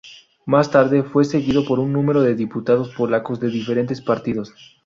Más tarde fue seguido por un número de diputados polacos de diferentes partidos.